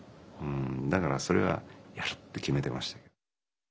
だからそれはやるって決めてました。